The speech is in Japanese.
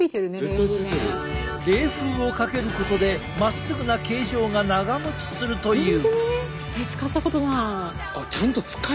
冷風をかけることでまっすぐな形状が長もちするという。